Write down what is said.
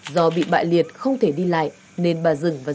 do bị bại liệt không thể đi lại nên bà dừng và dinh